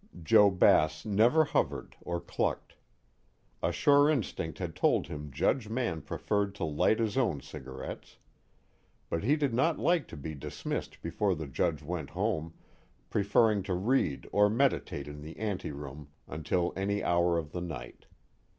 Joe Bass never hovered, or clucked. A sure instinct had told him Judge Mann preferred to light his own cigarettes. But he did not like to be dismissed before the Judge went home, preferring to read or meditate in the anteroom until any hour of the night.